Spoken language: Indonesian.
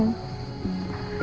terima kasih juga pak